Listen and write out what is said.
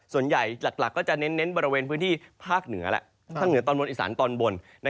ส่วนใหญ่หลักก็จะเน้นบริเวณพื้นภาคเหนือแล้วฮะ